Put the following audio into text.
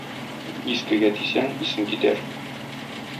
Искегә тисәң, исең китәр.